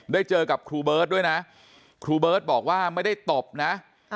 เจอกับครูเบิร์ตด้วยนะครูเบิร์ตบอกว่าไม่ได้ตบนะ